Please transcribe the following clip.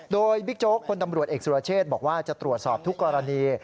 โดยบิ๊กโจ๊กคนตำรวจเอกสุรเชษบอกว่าจะตรวจสอบทุกกรณี